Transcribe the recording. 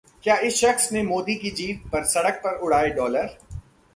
...क्या इस शख्स ने मोदी की जीत पर सड़क पर उड़ाए डॉलर?